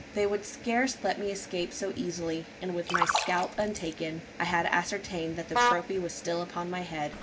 They would scarce let me escape so easily, and with my scalp untaken: I had ascertained that the trophy was still upon my head.